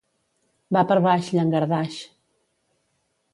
Va per baix, llangardaix.